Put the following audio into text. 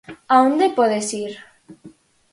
A onde podes ir?